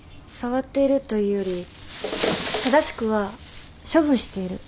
触っているというより正しくは処分している。